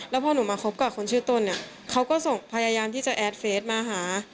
แล้วพอหนูมาคบกับคนชื่อต้นเนี่ยเขาก็ส่งพยายามที่จะแอดเฟสมาหา